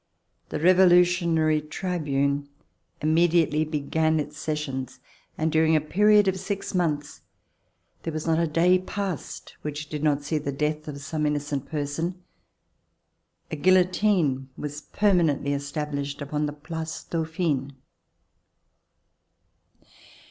The Revolutionary Tribune Immediately began its sessions, and during a period of six months there was not a day passed which did not see the death of some innocent person. A guillotine was permanently established upon the Place Dauphine.